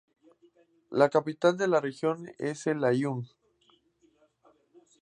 La capital de la región es El Aaiún.